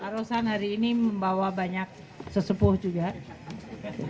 rosan hari ini membawa banyak sesuatu